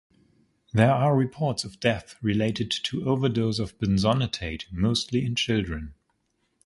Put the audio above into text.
There are reports of death related to overdose of benzonatate, mostly in children.